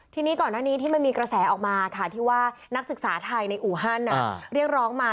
ทีนี้ก่อนหน้านี้ที่มันมีกระแสออกมาค่ะที่ว่านักศึกษาไทยในอูฮันเรียกร้องมา